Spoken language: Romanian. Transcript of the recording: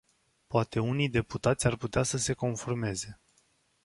Poate unii deputați ar putea să se conformeze.